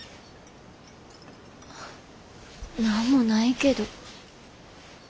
何もないけど。